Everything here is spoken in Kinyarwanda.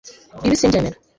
ibi simbyemera